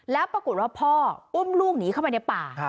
แล้วปรากฏว่าพ่ออุ้มลูกหนีเข้าไปในป่า